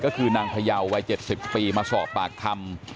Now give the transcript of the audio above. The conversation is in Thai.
ก็คือนางพยาววัย๗๐ปีมาสอบปากคำ